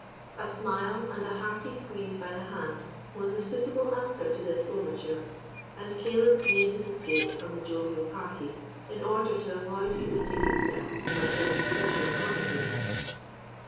A smile, and a hearty squeeze by the hand, was the suitable answer to this overture; and Caleb made his escape from the jovial party, in order to avoid committing himself by any special promises.